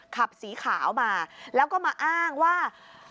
ขับสีขาวมาแล้วก็มาอ้างว่า